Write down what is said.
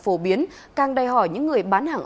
phổ biến càng đầy hỏi những người bán hàng